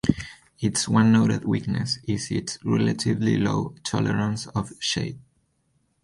Its one noted weakness is its relatively low tolerance of shade.